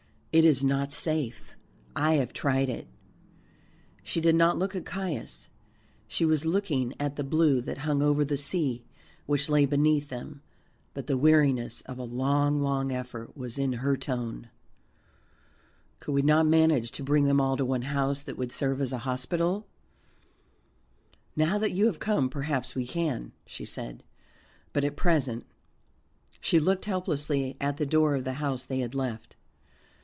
It is not safe; I have tried it." She did not look at Caius, she was looking at the blue that hung over the sea which lay beneath them, but the weariness of a long long effort was in her tone. "Could we not manage to bring them all to one house that would serve as a hospital?" "Now that you have come, perhaps we can," she said, "but at present " She looked helplessly at the door of the house they had left.